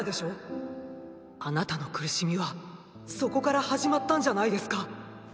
あなたの苦しみはそこから始まったんじゃないですか？